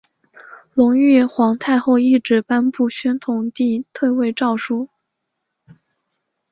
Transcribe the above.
隆裕皇太后懿旨颁布宣统帝退位诏书。